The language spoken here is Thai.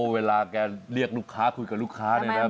เวลาแกเรียกลูกค้าคุยกับลูกค้าเนี่ยนะ